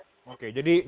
oke jadi perusahaan ini